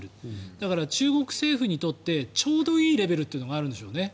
だから、中国政府にとってちょうどいいレベルというのがあるんでしょうね。